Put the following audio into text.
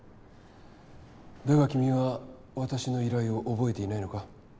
だが君は私の依頼を覚えていないのか？